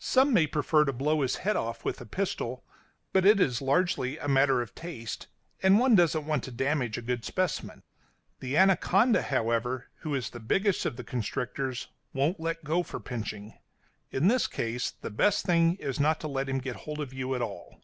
Some may prefer to blow his head off with a pistol, but it is largely a matter of taste, and one doesn't want to damage a good specimen. The anaconda, however, who is the biggest of the constrictors, won't let go for pinching; in this case the best thing is not to let him get hold of you at all.